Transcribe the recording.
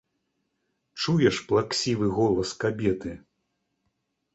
Чуеш плаксівы голас кабеты?